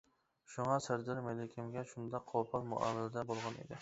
شۇڭا سەردار مەلىكەمگە شۇنداق قوپال مۇئامىلىدە بولغان ئىدى.